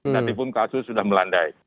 walaupun kasus sudah melandai